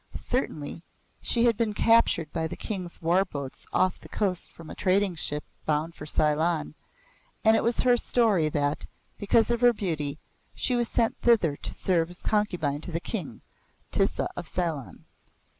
Certainly she had been captured by the King's war boats off the coast from a trading ship bound for Ceylon, and it was her story that, because of her beauty, she was sent thither to serve as concubine to the King, Tissa of Ceylon.